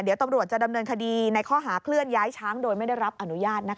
เดี๋ยวตำรวจจะดำเนินคดีในข้อหาเคลื่อนย้ายช้างโดยไม่ได้รับอนุญาต